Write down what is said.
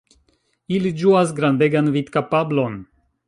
Ili ĝuas grandegan vidkapablon.